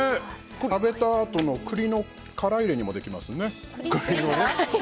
食べたあとの栗の殻入れにもできますね。